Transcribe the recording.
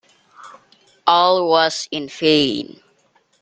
All was in vain.